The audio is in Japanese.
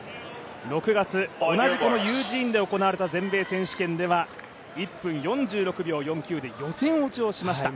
６月、同じユージーンで行われた全米選手権では１分４６秒４９で予選落ちをしました。